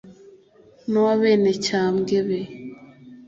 n 'uw abenecyambwe be